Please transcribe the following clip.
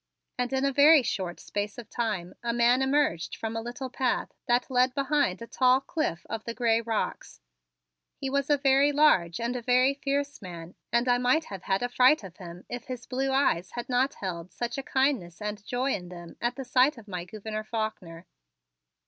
And in a very short space of time a man emerged from a little path that led behind a tall cliff of the gray rocks. He was a very large and a very fierce man and I might have had a fright of him if his blue eyes had not held such a kindness and joy in them at the sight of my Gouverneur Faulkner.